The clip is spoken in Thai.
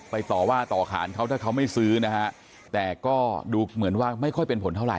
ต่อว่าต่อขานเขาถ้าเขาไม่ซื้อนะฮะแต่ก็ดูเหมือนว่าไม่ค่อยเป็นผลเท่าไ